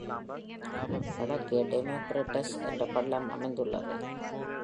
வடக்கே டெமோகிரிட்டஸ் என்ற பள்ளம் அமைந்துள்ளது.